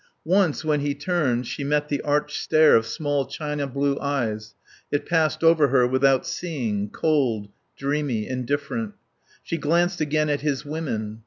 Once, when he turned, she met the arched stare of small china blue eyes; it passed over her without seeing, cold, dreamy, indifferent. She glanced again at his women.